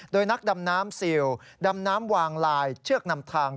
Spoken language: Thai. โดยนักดำน้ำซิลดำน้ำวางลายเชือกนำทาง